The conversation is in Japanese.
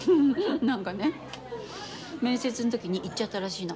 何かね面接ん時に言っちゃったらしいの。